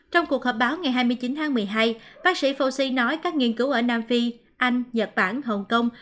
trong cuộc họp báo ngày hai mươi chín tháng một mươi hai bác sĩ foxi nói các nghiên cứu ở nam phi anh nhật bản hồng kông